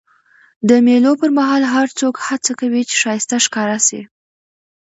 د مېلو پر مهال هر څوک هڅه کوي، چي ښایسته ښکاره سي.